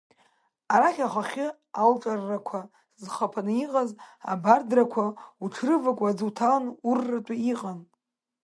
Арахь ахахьы алҿаррақәа зхаԥаны иҟаз абардрақәа уҽрывакуа аӡы уҭаланы урратәы иҟан.